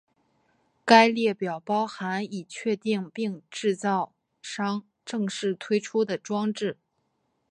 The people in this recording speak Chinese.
该列表包含已确认并制造商正式推出的装置。